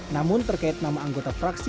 namun terkait nama anggota fraksi